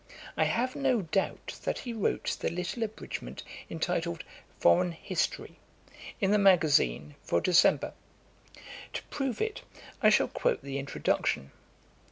I have no doubt that he wrote the little abridgement entitled 'Foreign History,' in the Magazine for December. To prove it, I shall quote the Introduction.